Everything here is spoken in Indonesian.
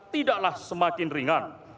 tidaklah semakin ringan